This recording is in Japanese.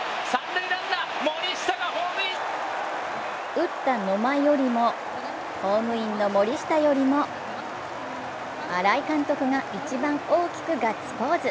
打った野間よりもホームインの森下よりも、新井監督が一番大きくガッツポーズ。